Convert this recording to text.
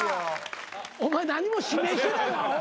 お前何も指名してないわアホ。